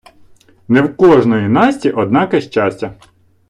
Не в кождої Насті однаке щастя.